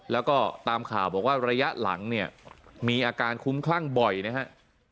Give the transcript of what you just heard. แล้วก็ตามข่าวบอกว่าระยะหลังเนี่ยมีอาการคุ้มคลั่งบ่อยนะฮะ